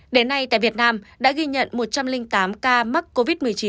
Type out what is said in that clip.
đến nay tại việt nam đã ghi nhận một trăm linh tám ca mắc covid một mươi chín